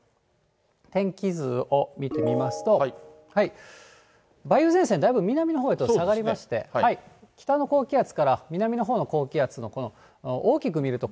天気図を見てみますと、梅雨前線、だいぶ南のほうへと下がりまして、北の高気圧から、南のほうの高気圧の、この、大きく見ると、